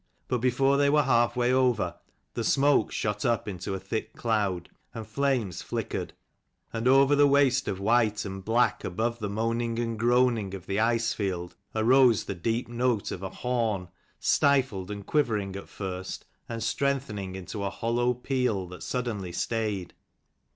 But before they were half way over, the smoke shot up into a thick cloud, and flames flickered ; and over the waste of white and black, above the moaning and groaning of the ice field, arose the deep note of a horn, stifled and quivering at first, and strengthening into a hollow peal, that suddenly stayed.